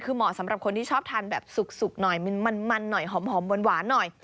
คือเหมาะสำหรับคนที่ชอบทานแบบสุกหน่อยมันหน่อยหอมหวานหน่อย